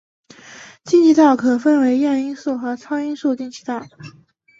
进气道可分为亚音速和超音速进气道。